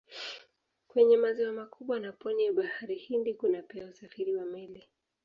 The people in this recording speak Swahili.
Kwenye maziwa makubwa na pwani ya Bahari Hindi kuna pia usafiri wa meli.